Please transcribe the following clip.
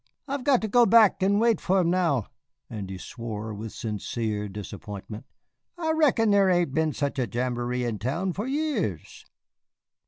I've got to go back and wait for 'em now," and he swore with sincere disappointment. "I reckon there ain't been such a jamboree in town for years."